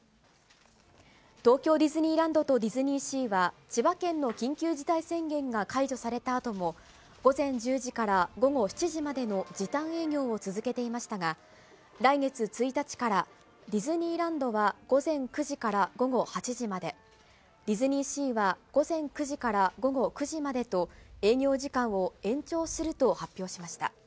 東京ディズニーランドとディズニーシーは、千葉県の緊急事態宣言が解除されたあとも、午前１０時から午後７時までの時短営業を続けていましたが、来月１日から、ディズニーランドは午前９時から午後８時まで、ディズニーシーは午前９時から午後９時までと、営業時間を延長すると発表しました。